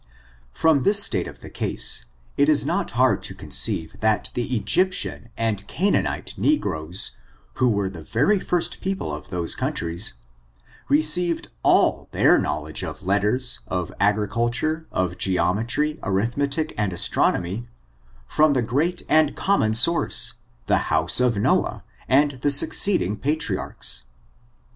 From this stat.e of the case, it is not hard to con ceive that the Egyptian and Canaanite negroes^ who were the very first people of those countries, received all their knowledge of letters^ of agriculture, of ge ometry, arithmetic, and astronomy, from the great and common source, the house of Noah, and the suc ceeding patriarchs.